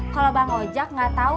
kalo bang oja gak tau